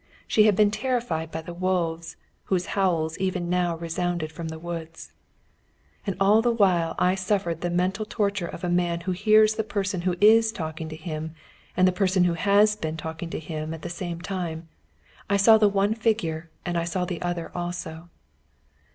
She had been terrified by the wolves, whose howls even now resounded from the woods. And all the while I suffered the mental torture of a man who hears the person who is talking to him and the person who has been talking to him at the same time. I saw the one figure and I saw the other also.